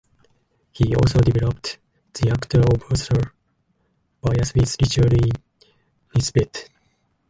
He also developed the Actor-observer bias with Richard E. Nisbett.